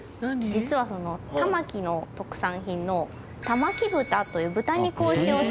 実は玉城の特産品の玉城豚という豚肉を使用した。